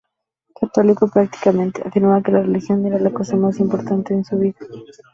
Católico practicante, afirmaba que la religión era la cosa más importante en su vida.